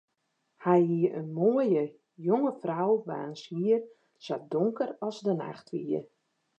Hy hie in moaie, jonge frou waans hier sa donker as de nacht wie.